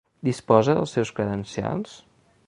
Disposa dels seus credencials?